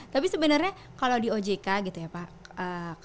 tapi sebenarnya kalau di ojk gitu ya pak